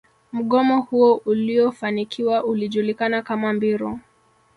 Mgomo huo uliofanikiwa ulijulikana kama mbiru